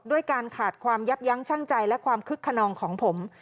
การขาดความยับยั้งชั่งใจและความคึกขนองของผม